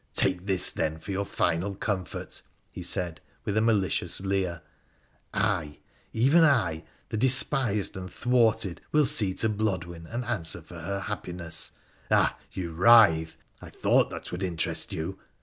Take this, then, for your final comfort,' he said, with a malicious leer —' I, even I, the despised and thwarted, will see to Blodwen and answer for, her happiness. Ah! —■ you writhe — I thought that would interest you.